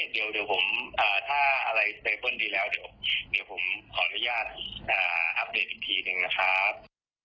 เดี๋ยวผมถ้าอะไรเตเบิ้ลดีแล้วเดี๋ยวผมขออนุญาตอัปเดตอีกทีหนึ่งนะครับ